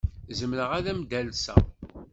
Zemreɣ ad am-d-alseɣ?